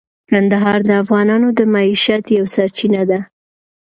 کندهار د افغانانو د معیشت یوه سرچینه ده.